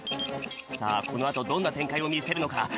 さあこのあとどんなてんかいをみせるのか？